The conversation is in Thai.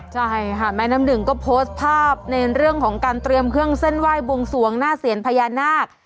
ใช่ค่ะแม่น้ำหนึ่งก็โพสต์ภาพในเรื่องของการเตรียมเครื่องเส้นไหว้บวงสวงหน้าเซียนพญานาค